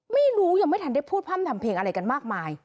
ไม่รู้ยังไม่ทันได้พูดพร่ำทำเพลงอะไรกันมากมาย